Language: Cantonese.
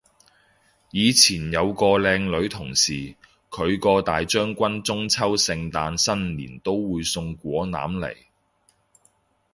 以前有個靚女同事，佢個大將軍中秋聖誕新年都會送果籃嚟